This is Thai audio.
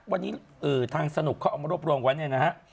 วันนี้ทางสนุกเขาเอามารวบรวมไว้เนี่ยนะฮะ